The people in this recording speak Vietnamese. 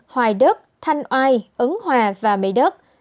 hoài đức thanh oai ứng hòa và mỹ đức